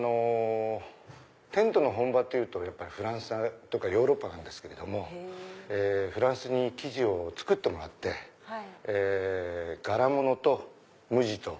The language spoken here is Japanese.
テントの本場ってフランスとかヨーロッパなんですけれどもフランスに生地を作ってもらって柄物と無地と。